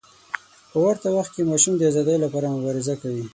په ورته وخت کې ماشوم د ازادۍ لپاره مبارزه کوي.